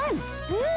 うん！